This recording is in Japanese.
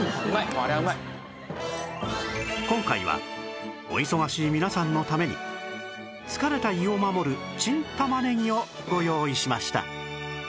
今回はお忙しい皆さんのために疲れた胃を守るチン玉ねぎをご用意しました